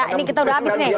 ya ini kita udah habis nih